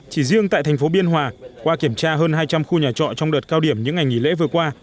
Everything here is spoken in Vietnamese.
chỉ riêng tại thành phố biên hòa qua kiểm tra hơn hai trăm linh khu nhà trọ trong đợt cao điểm những ngày nghỉ lễ vừa qua